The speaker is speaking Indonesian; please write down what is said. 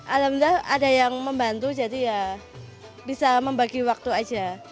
alhamdulillah ada yang membantu jadi ya bisa membagi waktu aja